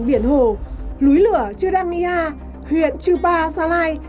cảnh biển hồ lúi lửa chirangia huyện chupa sa lai